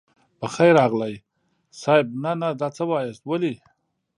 په خير راغلئ صيب نه نه دا څه واياست ولې.